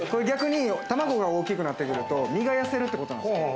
逆に卵が大きくなってくると、身が痩せるってことなんですよ。